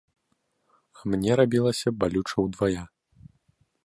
А мне рабілася балюча ўдвая.